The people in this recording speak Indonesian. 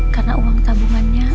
karena uang tabungannya